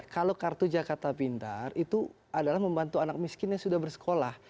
kalau kartu jakarta pintar itu adalah membantu anak miskin yang sudah bersekolah